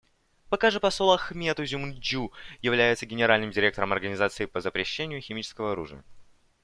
Пока же посол Ахмет Узюмджю является Генеральным директором Организации по запрещению химического оружия.